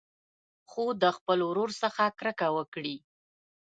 خو د خپل ورور څخه کرکه وکړي.